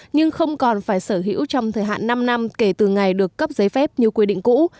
nhưng không còn phải sở hữu trong thời hạn năm năm kể từ ngày được cấp giấy phép như quy định cũ